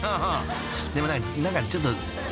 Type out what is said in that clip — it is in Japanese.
［でもね何かちょっと］